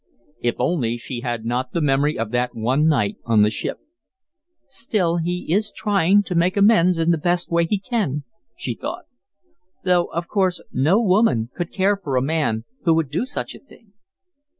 If only she had not the memory of that one night on the ship. "Still, he is trying to make amends in the best way he can," she thought. "Though, of course, no woman could care for a man who would do such a thing."